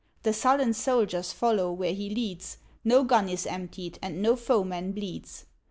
The sullen soldiers follow where he leads; No gun is emptied, and no foeman bleeds.